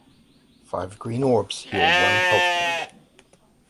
Five Green orbs heal one health point.